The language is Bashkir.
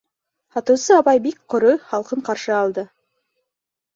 Һатыусы апай бик ҡоро, һалҡын ҡаршы алды.